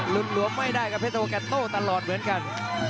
รุนหลวมไม่ได้ครับเพชรโธกันโต่ตลอดเหมือนกัน